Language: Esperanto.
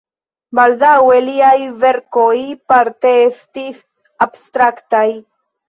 Baldaŭe liaj verkoj parte estis abstraktaj.